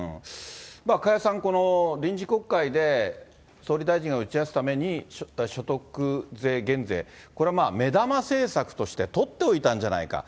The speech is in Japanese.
加谷さん、この臨時国会で総理大臣が打ち出すために、所得税減税、これはまあ、目玉政策として取っておいたんじゃないか。